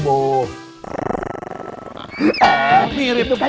k harass aduh ninja yaitu papi